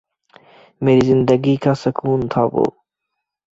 میری زندگی کا سکون تھا وہ